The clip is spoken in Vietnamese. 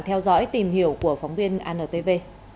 theo dõi tìm hiểu của phóng viên antv